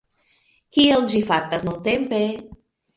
Kiel ĝi fartas nuntempe?